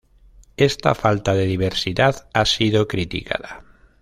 Esta falta de diversidad ha sido criticada.